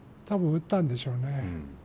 多分打ったんでしょうね。